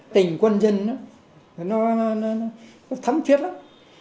tình quân dân nó thấm thiết lắm